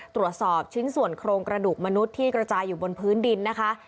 ตรวจสอบชิ้นส่วนโครงกระดูกมนุษย์ที่กระจายอยู่บนพื้นดินนะคะ